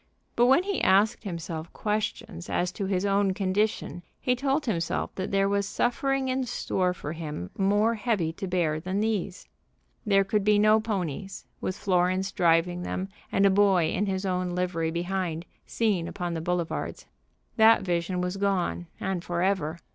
But when he asked himself questions as to his own condition he told himself that there was suffering in store for him more heavy to bear than these. There could be no ponies, with Florence driving them, and a boy in his own livery behind, seen upon the boulevards. That vision was gone, and forever.